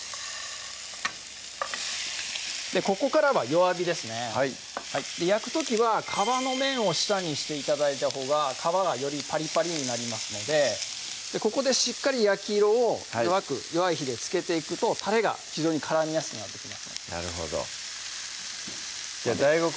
ここからは弱火ですねはい焼く時は皮の面を下にして頂いたほうが皮がよりパリパリになりますのでここでしっかり焼き色を弱い火でつけていくとたれが非常に絡みやすくなってきますのでなるほどじゃあＤＡＩＧＯ